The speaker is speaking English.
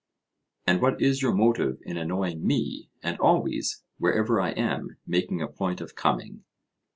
And what is your motive in annoying me, and always, wherever I am, making a point of coming?